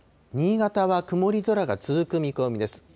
新潟は曇り空が続く見込みです。